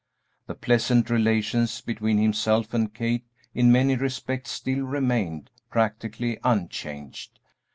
The pleasant relations between himself and Kate in many respects still remained practically unchanged.